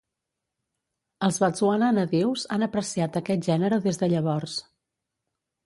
Els batswana nadius han apreciat aquest gènere des de llavors.